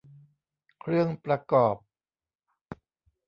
เครื่องประกอบ